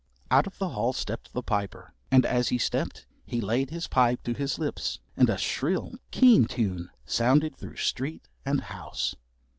Out of the hall stepped the Piper, and as he stepped he laid his pipe to his lips and a shrill keen tune sounded through street and house.